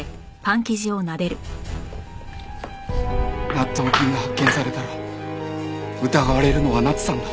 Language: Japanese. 納豆菌が発見されたら疑われるのは奈津さんだ。